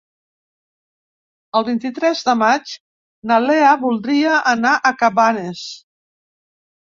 El vint-i-tres de maig na Lea voldria anar a Cabanes.